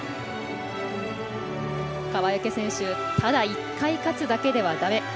川除選手「ただ１回勝つだけではだめ。